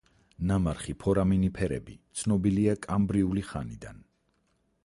ნამარხი ფორამინიფერები ცნობილია კამბრიული ხანიდან.